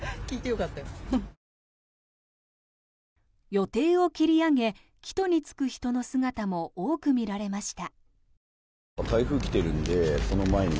予定を切り上げ帰途に就く人の姿も多く見られました。